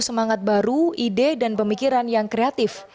semangat baru ide dan pemikiran yang kreatif